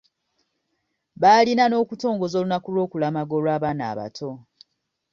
Baalina n’okutongoza olunaku lw’okulamaga olw’abaana abato.